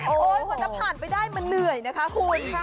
โอ้โฮมันจะผ่านไปได้มันเหนื่อยนะคะคุณ